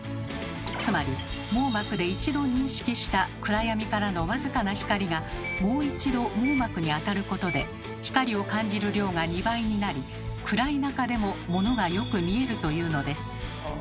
つまり網膜で一度認識した暗闇からの僅かな光がもう一度網膜に当たることで光を感じる量が２倍になり暗い中でもものがよく見えるというのです。